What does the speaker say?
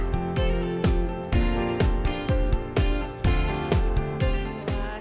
pembelajaran di sini sangat menarik